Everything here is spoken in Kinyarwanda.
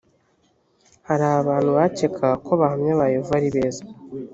hari abantu bakekaga ko abahamya ba yehova ari beza